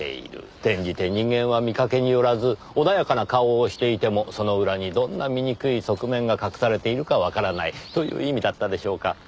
転じて人間は見かけによらず穏やかな顔をしていてもその裏にどんな醜い側面が隠されているかわからない。という意味だったでしょうか。